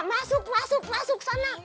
masuk masuk masuk sana